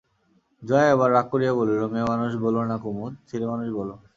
জয়া এবার রাগ করিয়া বলিল, মেয়েমানুষ বোলো না কুমুদ, ছেলেমানুষ বলো।